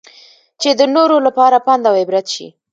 چې د نورو لپاره پند اوعبرت شي.